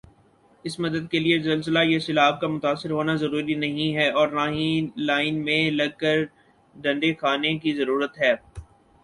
اس مدد کیلئے زلزلہ یا سیلاب کا متاثر ہونا ضروری نہیں ھے اور نہ ہی لائن میں لگ کر ڈانڈے کھانے کی ضرورت ھے